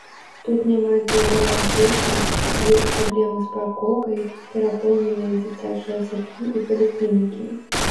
Тут няма дзе гуляць дзецям, ёсць праблемы з паркоўкай, перапоўненыя дзіцячыя садкі і паліклінікі.